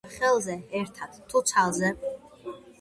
ორივე ხელზე ერთად, თუ ცალზე?